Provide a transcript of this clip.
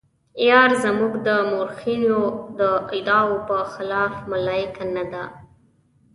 عیار زموږ د مورخینو د ادعا په خلاف ملایکه نه ده.